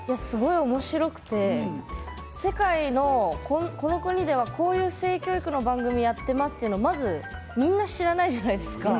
すごいおもしろくて世界の、この国ではこういう性教育の番組をしているというのはみんな知らないじゃないですか。